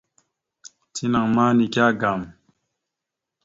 Tina ma nike agam.